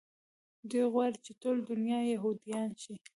دوى غواړي چې ټوله دونيا يهودان شي.